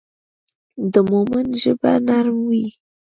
د مؤمن ژبه نرم وي.